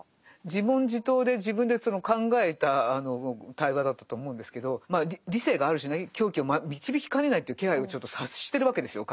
自問自答で自分でその考えた対話だったと思うんですけど理性がある種ね狂気を導きかねないという気配をちょっと察してるわけですよ